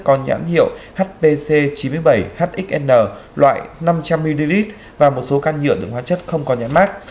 có nhãn hiệu hpc chín mươi bảy hxn loại năm trăm linh ml và một số can nhựa được hóa chất không có nhãn mát